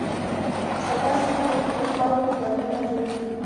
سبا سهار وختي د خاورو ګردونه جوړ کړي.